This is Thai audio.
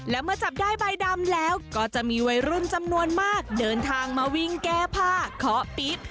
และเมื่อจับได้ใบดำแล้วก็จะมีวัยรุ่นจำนวนมากเดินทางมาวิ่งแก้ผ้าเคาะปี๊ด